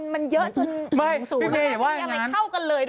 มันเยอะจนสูงสูงมันมีอะไรเข้ากันเลยด้วย